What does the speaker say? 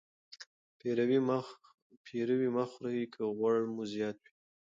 پیروي مه خورئ که غوړ مو زیات وي.